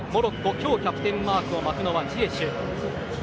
今日キャプテンマークを巻くのはジエシュ。